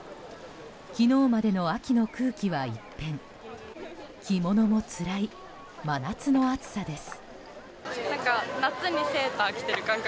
昨日までの秋の空気は一変着物もつらい真夏の暑さです。